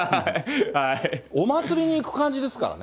お祭りに行く感じですからね。